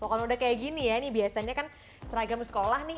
kalau udah kayak gini ya ini biasanya kan seragam sekolah nih